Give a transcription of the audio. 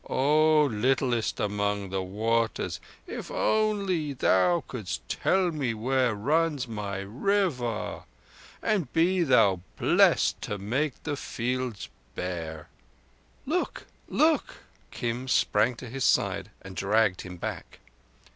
O littlest among the waters, if only thou couldst tell me where runs my River! But be thou blessed to make the fields bear!" "Look! Look!" Kim sprang to his side and dragged him back.